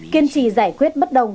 kiên trì giải quyết bất đồng